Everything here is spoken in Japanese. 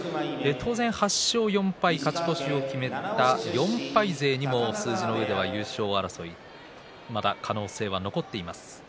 ８勝４敗、勝ち越しを決めた４敗勢にも優勝争い、まだ可能性は残っています。